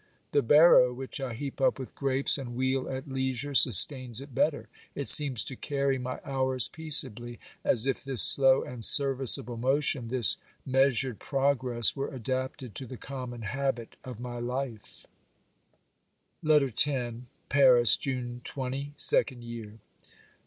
The barrow, which I heap up with grapes and wheel at leisure, sustains it better. It seems to carry my hours peaceably, as if this slow and serviceable motion, this measured progress, were adapted to the common habit of my life. OBERMANN 47 LETTER X Fakis, /u/te 20 [Second Year).